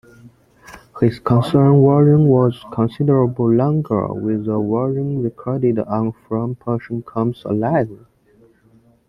His concert version was considerably longer, with the version recorded on Frampton Comes Alive!